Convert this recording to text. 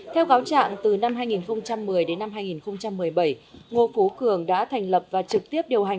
theo cáo trạng từ năm hai nghìn một mươi đến năm hai nghìn một mươi bảy ngô phú cường đã thành lập và trực tiếp điều hành